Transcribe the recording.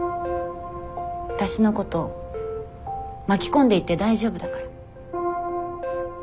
わたしのこと巻き込んでいって大丈夫だから。